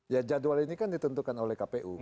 ya jadwal ini kan ditentukan oleh kpu